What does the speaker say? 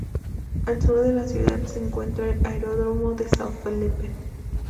Al sur de la ciudad se encuentra el aeródromo de São Filipe.